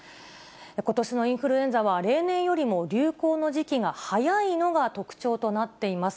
ことしのインフルエンザは例年よりも流行の時期が早いのが特徴となっています。